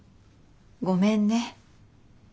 ごめんね。